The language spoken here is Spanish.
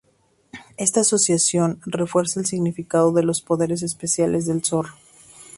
Esta asociación refuerza el significado de los poderes especiales del zorro.